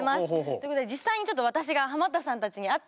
ということで実際にちょっと私がハマったさんたちに会ってきました。